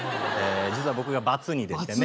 実は僕がバツ２でしてね。